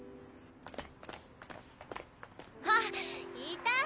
あっいた！